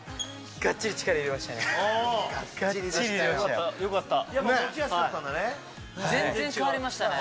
がっちり力入れましたね。